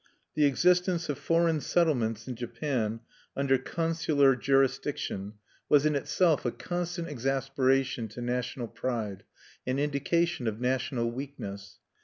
The existence of foreign settlements in Japan, under consular jurisdiction, was in itself a constant exasperation to national pride, an indication of national weakness.